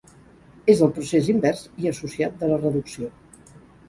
És el procés invers i associat de la reducció.